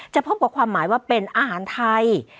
พบกับความหมายว่าเป็นอาหารไทย